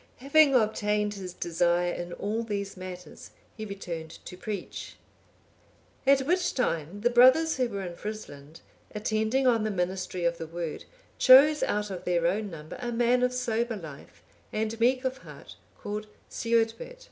Having obtained his desire in all these matters, he returned to preach. At which time, the brothers who were in Frisland, attending on the ministry of the Word, chose out of their own number a man of sober life, and meek of heart, called Suidbert,(833) to be ordained bishop for them.